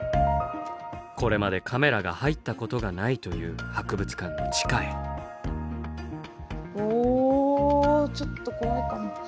これまでカメラが入ったことがないというおちょっと怖いかも。